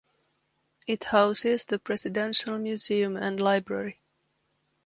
It houses the Presidential Museum and Library.